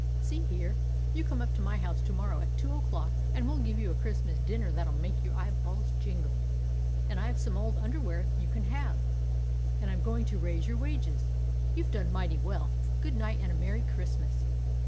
See here, you come up to my house to morrow at two o'clock, and we 'll give you a Christmas dinner that 'll make your eyeballs jingle. And I 've some old underwear you can have; and I 'm going to raise your wages ; you've done mighty well. Good night, and a merry Christmas!"